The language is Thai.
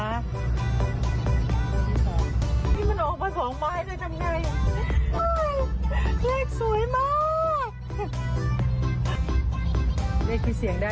นี่มันออกไป๒ไม้จะทำยังไง